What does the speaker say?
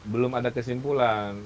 belum ada kesimpulan